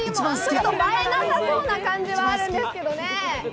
あっ、映えなさそうな感じはあるんですけどね。